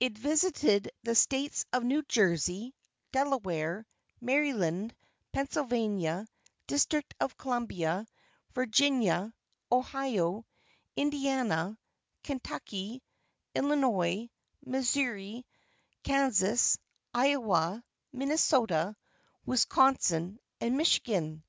It visited the States of New Jersey, Delaware, Maryland, Pennsylvania, District of Columbia, Virginia, Ohio, Indiana, Kentucky, Illinois, Missouri, Kansas, Iowa, Minnesota, Wisconsin and Michigan.